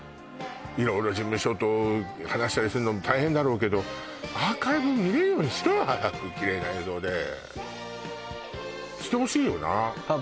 色々事務所と話したりするの大変だろうけどアーカイブ見れるようにしろよ早くキレイな映像でしてほしいよなあっ